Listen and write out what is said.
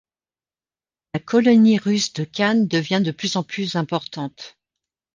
La colonie russe de Cannes devient de plus en plus importante.